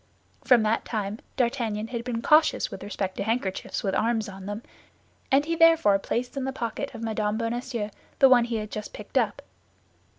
From that time, D'Artagnan had been cautious with respect to handkerchiefs with arms on them, and he therefore placed in the pocket of Mme. Bonacieux the one he had just picked up.